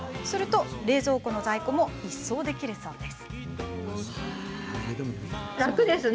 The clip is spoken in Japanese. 冷蔵庫の在庫も一掃できるそうです。